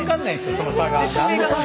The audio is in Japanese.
その差が。